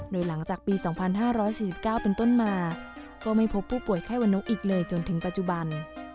โดยหลังจากปี๒๕๔๙เป็นต้นมาก็ไม่พบผู้ป่วยไข้วันนกอีกเลยจนถึงปัจจุบัน